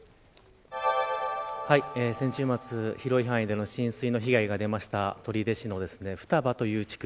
先週末、広い範囲での浸水の被害が出ました取手市の双葉という地区。